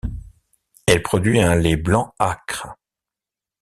Elle produit un lait blanc âcre.